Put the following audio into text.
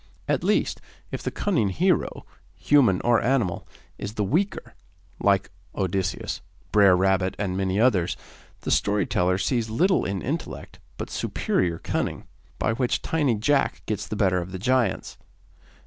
At least, if the cunning hero, human or animal, is the weaker, like Odysseus, Brer Rabbit, and many others, the story teller sees little in intellect but superior cunning, by which tiny Jack gets the better of the giants.